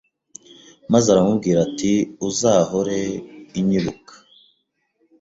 maze aramubwira ati uzahore inyibuka,